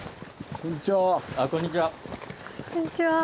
こんにちは。